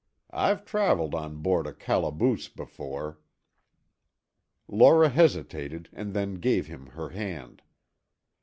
I've traveled on board a calaboose before." Laura hesitated, and then gave him her hand.